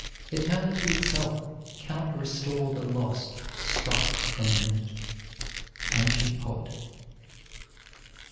Eternity itself cannot restore the loss struck from the minute. ANCIENT POET.